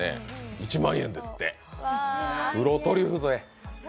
１万円ですって、黒トリュフ添え。